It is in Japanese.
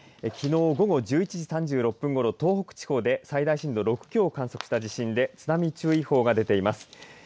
きのう午後１１時３６分ごろ東北地方で最大震度６強を観測した地震で津波注意報が出ています。